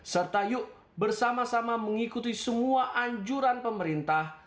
serta yuk bersama sama mengikuti semua anjuran pemerintah